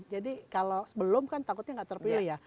jadi kalau sebelum kan takutnya gak terpilih ya